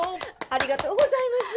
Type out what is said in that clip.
ありがとうございます。